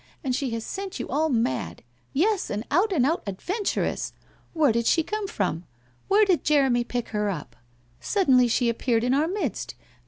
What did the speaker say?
And she has sent you all mad. Yes, an out and out adventuress ! Where did she come from? Where did Jeremy pick her up? Suddenly she appeared in our midst.